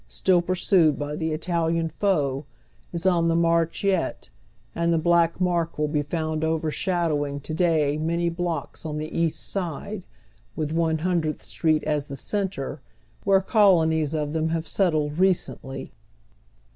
still pursued by the Italian foe, is on the march jet, and the blaeli marlc svill be found overshadowing to day mauy blocks on the East Side, with One Iliindredtli Street aa the centre, where colonies of them have settled i eeently.